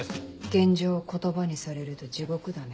現状を言葉にされると地獄だね。